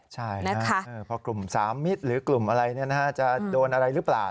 ใช่นะพอกลุ่มสามมิตรหรือกลุ่มอะไรจะโดนอะไรหรือเปล่า